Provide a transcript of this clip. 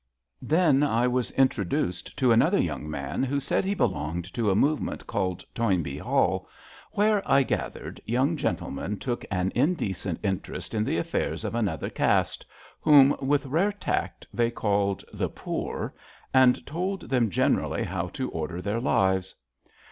Then I was introduced to another young man who said he belonged to a movement called Toyn bee Hall, where, I gathered, young gentlemen took an indecent interest in the affairs of another caste, whom, with rare tact, they called the poor,*' and told them generally how to order their lives.